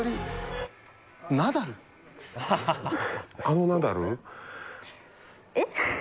あのナダル？え？